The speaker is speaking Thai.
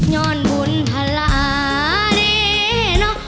ย้อนบุญภาระเดเนาะ